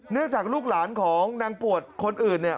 จากลูกหลานของนางปวดคนอื่นเนี่ย